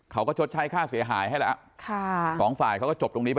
เขาก็ชดใช้ค่าเสียหายให้แล้ว